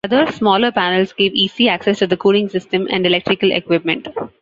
Other, smaller panels gave easy access to the cooling system and electrical equipment.